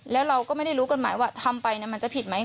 แล้วเราก็ไม่ได้รู้กฎหมายว่าทำไปมันจะผิดไหม